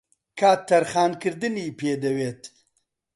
کات تەرخانکردنی پێدەوێت